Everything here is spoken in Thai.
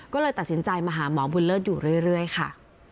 ก็เลยตัดสินใจมาหาหมอบุญเลิศอยู่เรื่อยค่ะ